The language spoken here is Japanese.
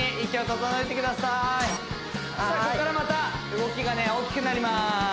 ここからまた動きが大きくなります